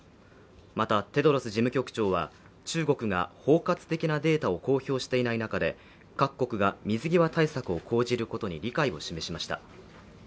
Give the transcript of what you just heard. また、テドロス事務局長は中国が包括的なデータを公表していない中で各国が水際対策を講じることに理解を示しました。